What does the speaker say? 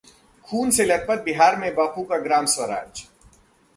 खून से लथपथ बिहार में बापू का ग्राम-स्वराज